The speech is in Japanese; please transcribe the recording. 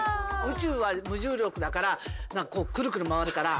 宇宙は無重力だからクルクル回るから。